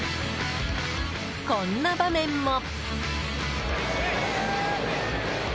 こんな場面も。